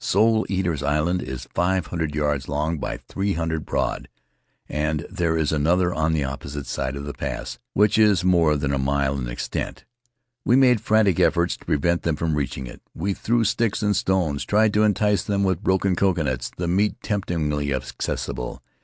Soul Eaters' Island is five hundred yards long by three hundred broad, and there is another, on the opposite side of the pass, which is more than a mile in extent. We made frantic efforts to prevent them from reaching it. We threw sticks and stones, tried to entice them with broken coconuts, the meat temptingly accessible.